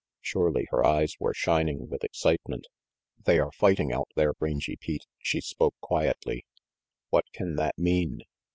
Surely her eyes were shining with excitement. "They are fighting out there, Rangy Pete," she spoke quietly. "What can that mean?"